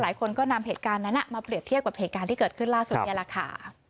หลายคนก็นำเหตุการณ์นั้นมาเปรียบเทียบกับเหตุการณ์ที่เกิดขึ้นล่าสุดนี่แหละค่ะ